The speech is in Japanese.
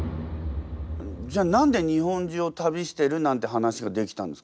じゃあ何で日本中を旅してるなんて話ができたんですかね？